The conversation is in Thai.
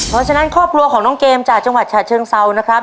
เพราะฉะนั้นครอบครัวของน้องเกมจากจังหวัดฉะเชิงเซานะครับ